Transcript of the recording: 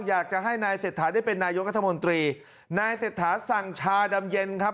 อยากจะให้นายเศรษฐาได้เป็นนายกรัฐมนตรีนายเศรษฐาสั่งชาดำเย็นครับ